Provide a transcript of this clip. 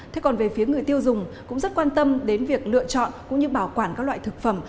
thế còn về phía người tiêu dùng cũng rất quan tâm đến việc lựa chọn cũng như bảo quản các loại thực phẩm